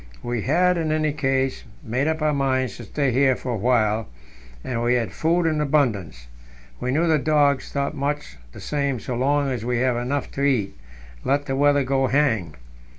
We had, in any case, made up our minds to stay here for a while, and we had food in abundance. We knew the dogs thought much the same so long as we have enough to eat, let the weather go hang.